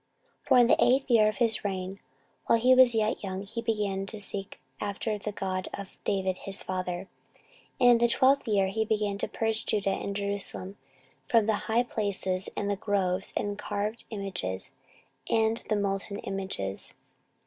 14:034:003 For in the eighth year of his reign, while he was yet young, he began to seek after the God of David his father: and in the twelfth year he began to purge Judah and Jerusalem from the high places, and the groves, and the carved images, and the molten images.